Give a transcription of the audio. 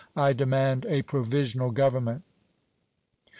I demand a provisional government!"